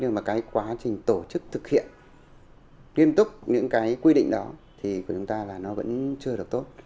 nhưng mà cái quá trình tổ chức thực hiện nghiêm túc những cái quy định đó thì của chúng ta là nó vẫn chưa được tốt